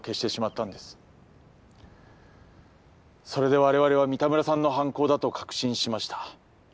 それでわれわれは三田村さんの犯行だと確信しました。